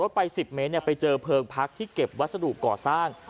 ไป๑๐เมตรไปเจอเพลิงพักที่เก็บวัสดุก่อสร้าง